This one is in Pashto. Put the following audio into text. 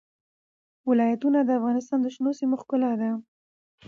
ولایتونه د افغانستان د شنو سیمو ښکلا ده.